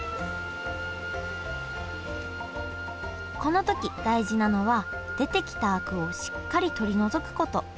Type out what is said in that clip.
この時大事なのは出てきたアクをしっかり取り除くこと。